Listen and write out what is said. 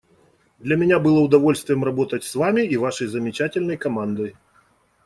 Для меня было удовольствием работать с Вами и Вашей замечательной командой.